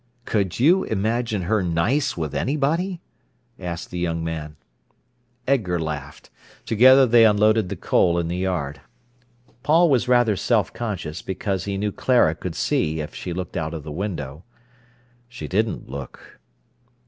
"Could you imagine her nice with anybody?" asked the young man. Edgar laughed. Together they unloaded the coal in the yard. Paul was rather self conscious, because he knew Clara could see if she looked out of the window. She didn't look.